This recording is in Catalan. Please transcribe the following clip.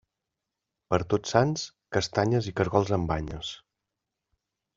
Per Tots Sants, castanyes i caragols amb banyes.